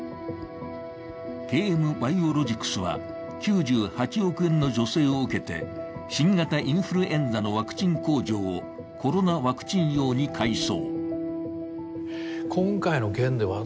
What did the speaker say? ＫＭバイオロジクスは９８億円の助成を受けて新型インフルエンザのワクチン工場をコロナワクチン用に改装。